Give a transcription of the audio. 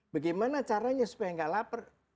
bagaimana caranya supaya nggak lapar